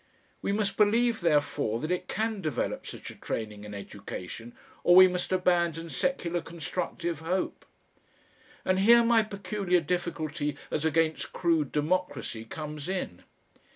We must believe, therefore, that it CAN develop such a training and education, or we must abandon secular constructive hope. And here my peculiar difficulty as against crude democracy comes in.